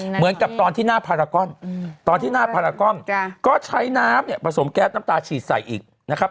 เหมือนกับตอนที่หน้าพารากอนตอนที่หน้าพารากอนก็ใช้น้ำเนี่ยผสมแก๊สน้ำตาฉีดใส่อีกนะครับ